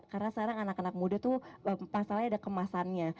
karena sekarang anak anak muda itu pasalnya ada kemasannya